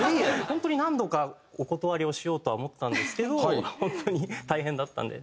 本当に何度かお断りをしようとは思ったんですけど本当に大変だったんで。